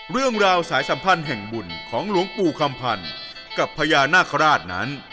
เรื่องราวสายสัมพันธ์แห่งบุญของหลวงปู่คำพันธ์กับพญานาคาราชนั้น